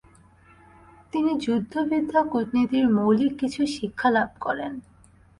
তিনি যুদ্ধবিদ্যা কূটনীতির মৌলিক কিছু শিক্ষা লাভ করেন।